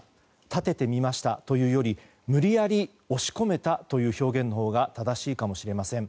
立ててみましたというより無理やり押し込めたという表現のほうが正しいかもしれません。